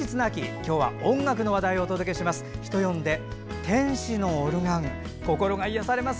今日は音楽の話題をお届けします。